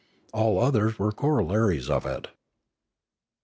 All others were corollaries of it.